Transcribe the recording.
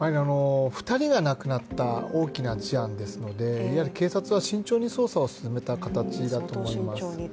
２人が亡くなった大きな事案ですのでやはり警察は慎重に捜査を進めた形だと思います。